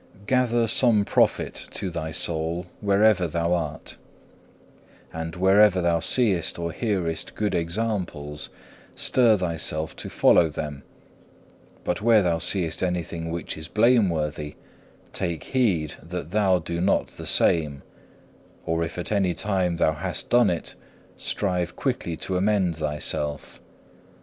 5. Gather some profit to thy soul wherever thou art, and wherever thou seest or hearest good examples, stir thyself to follow them, but where thou seest anything which is blameworthy, take heed that thou do not the same; or if at any time thou hast done it, strive quickly to amend thyself.